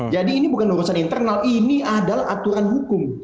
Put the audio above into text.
jadi ini bukan urusan internal ini adalah aturan hukum